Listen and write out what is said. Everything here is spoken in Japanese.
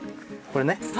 これね。